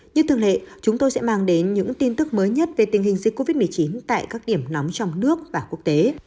như thường lệ chúng tôi sẽ mang đến những tin tức mới nhất về tình hình dịch covid một mươi chín tại các điểm nóng trong nước và quốc tế